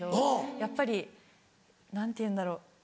やっぱり何ていうんだろう。